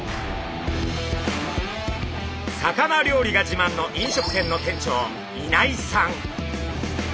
魚料理が自慢の飲食店の店長稲井さん。